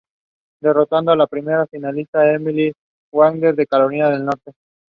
Was also mobilized.